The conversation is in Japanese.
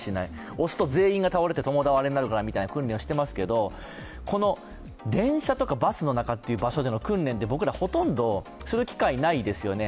押すと全員が倒れて共倒れになるからという訓練はしてますけど、電車とかバスの中の場所の訓練って、僕ら、ほとんどする機会ないですよね。